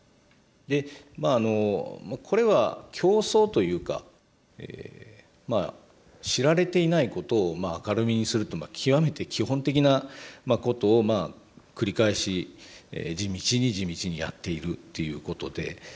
でこれは競争というかまあ知られていないことを明るみにするという極めて基本的なことを繰り返し地道に地道にやっているということで。